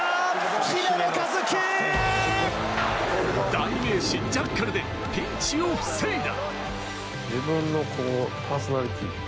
代名詞・ジャッカルでピンチを防いだ。